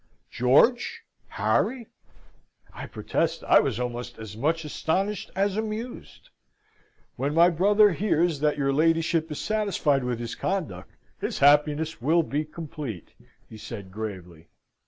George! Harry! I protest I was almost as much astonished as amused. "When my brother hears that your ladyship is satisfied with his conduct, his happiness will be complete," I said gravely.